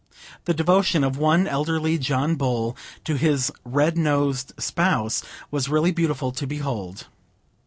The devotion of one elderly John Bull to his red nosed spouse was really beautiful to behold.